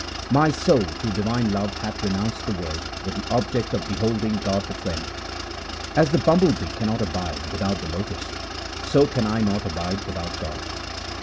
My soul through divine love hath renounced the world with the object of beholding God the Friend. As the bumble bee cannot abide without the lotus, so can I not abide without God.